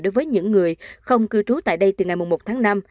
đối với những người không cư trú tại đây từ ngày một tháng năm